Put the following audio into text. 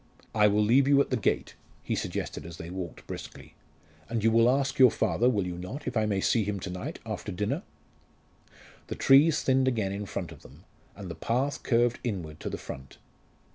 "I will leave you at the gate," he suggested as they walked briskly; "and you will ask your father, will you not, if I may see him to night after dinner?" The trees thinned again in front of them, and the path curved inward to the front.